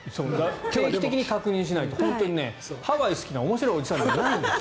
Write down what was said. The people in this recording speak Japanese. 定期的に確認しないと本当に、ハワイが好きな面白いおじさんじゃないの。